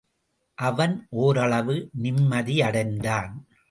அவன் ஓரளவு நிம்மதியடைந்தான்.